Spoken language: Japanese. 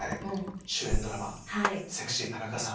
主演ドラマ『セクシー田中さん』。